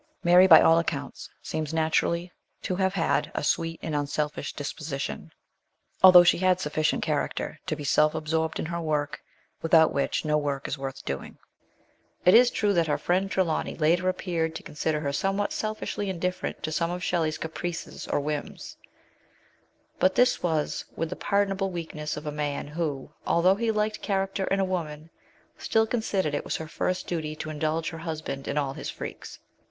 Mary, by all accounts, seems naturally to have had a sweet and unselfish disposition, although she had sufficient character to be self absorbed in her work, without which no work is worth doing. It is true that her friend Trelawny later appeared to consider her some 78 MBS. SHELLEY. what selfishly indifferent to some of Shelley's caprices or whims ; but this was with the pardonable weakness of a man who, although he liked character in a woman, still considered it was her first duty to indulge her husband in all his freaks.